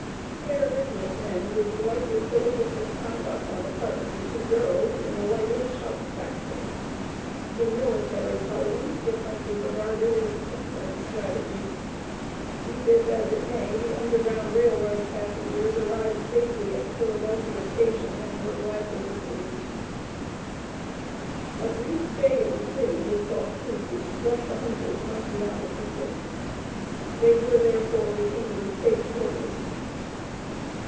Fair business men would be likely to look at this conduct on the part of the two girls in the light of a "sharp practice." In military parlance it might be regarded as excellent strategy. Be this as it may, the Underground Rail Road passengers arrived safely at the Philadelphia station and were gladly received. A brief stay in the city was thought prudent lest the hunters might be on the pursuit. They were, therefore, retained in safe quarters.